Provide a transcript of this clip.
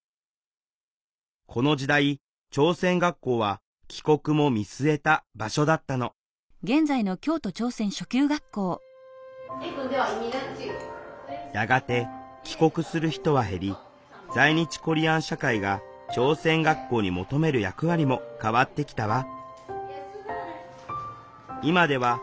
この時代朝鮮学校は帰国も見据えた場所だったのやがて帰国する人は減り在日コリアン社会が朝鮮学校に求める役割も変わってきたわ。